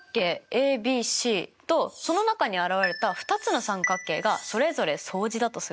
ＡＢＣとその中に現れた２つの三角形がそれぞれ相似だとすると？